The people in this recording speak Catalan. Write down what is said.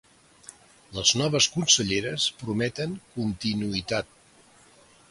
Les noves conselleres prometen ‘continuïtat’